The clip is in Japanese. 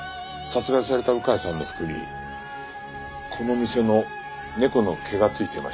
殺害された鵜飼さんの服にこの店の猫の毛が付いていました。